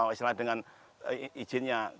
istilahnya dengan izinnya